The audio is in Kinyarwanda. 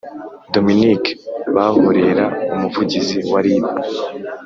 dominique bahorera, umuvugizi wa rib,